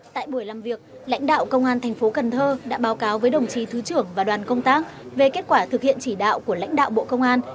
tại buổi làm việc lãnh đạo công an thành phố cần thơ đã báo cáo với đồng chí thứ trưởng và đoàn công tác về kết quả thực hiện chỉ đạo của lãnh đạo bộ công an